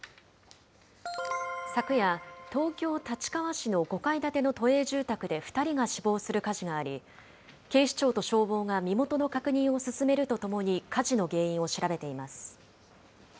昨夜、東京・立川市の５階建ての都営住宅で２人が死亡する火事があり、警視庁と消防が身元の確認を進めるとともに、火事の原因を調べています。